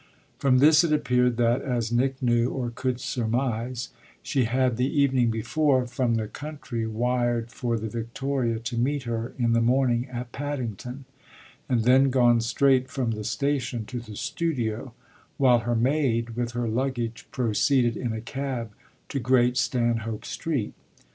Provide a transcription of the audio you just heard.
From this it appeared that, as Nick knew, or could surmise, she had the evening before, from the country, wired for the victoria to meet her in the morning at Paddington and then gone straight from the station to the studio, while her maid, with her luggage, proceeded in a cab to Great Stanhope Street.